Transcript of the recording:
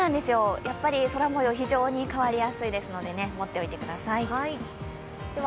空もよう非常に変わりやすいですので、持っておいてください。